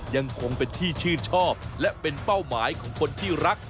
ยังคงเป็นที่ชื่นชอบและเป็นเป้าหมายของคนที่รัก